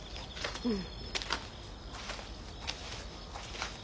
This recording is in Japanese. うん。